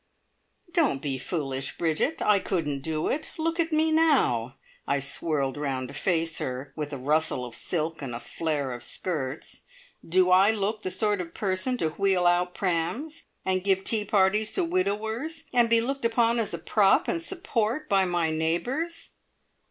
"Don't be foolish, Bridget! I couldn't do it! Look at me now!" I swirled round to face her, with a rustle of silk and a flare of skirts. "Do I look the sort of person to wheel out prams, and give tea parties to widowers, and be looked upon as a prop and support by my neighbours?"